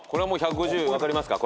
１５０分かりますか？